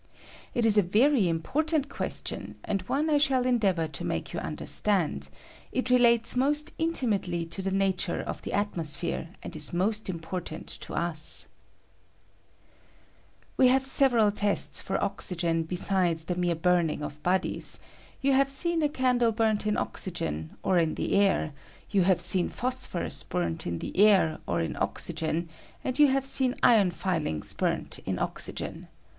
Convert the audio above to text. It is a very im portant question, and one I shall endeavor to make you understand; it relates most inti mately to the nature of the atmosphere, and ia most important to us. I 122 TESTS FOR OSYGEN. We have several testa for oxygen besidea tie I mere bumitig of bodies ; you have seen a can dle burnt in oxygen or in the air ; you have Been phosphorus burnt in the air or in oxy gen, and yon have seen iron filings burnt in oxygen.